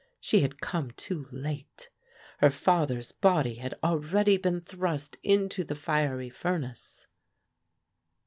She had come too late! Her father's body had already been thrust into the fiery furnace.